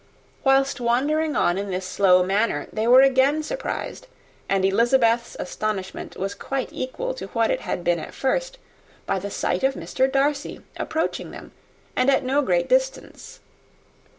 Whilst wandering on in this slow manner, they were again surprised, and Elizabeth's astonishment was quite equal to what it had been at first, by the sight of Mr. Darcy approaching them, and at no great distance.